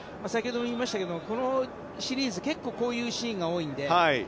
先ほども言いましたけどもこのシリーズ結構こういうシーンが多いので。